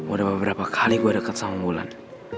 udah beberapa kali gue deket sama mulan